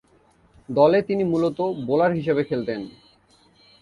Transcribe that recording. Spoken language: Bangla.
দলে তিনি মূলতঃ বোলার হিসেবে খেলতেন।